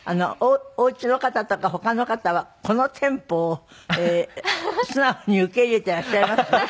お家の方とか他の方はこのテンポを素直に受け入れていらっしゃいます？